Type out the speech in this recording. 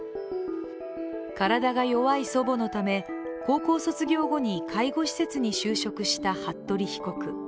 体が弱い祖母のため高校卒業後に介護施設に就職した服部被告。